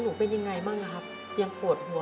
เหมือนเลี้ยงลูกคนที่๔จ้ะ